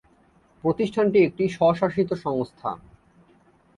প্রতিষ্ঠানটি একটি স্বশাসিত সংস্থা।